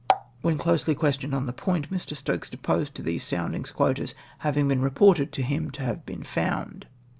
When closely questioned on the point, Mr. Stokes deposed to these soundings as " having been reported to him to have been found'"!